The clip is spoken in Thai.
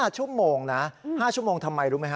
ชั่วโมงนะ๕ชั่วโมงทำไมรู้ไหมฮ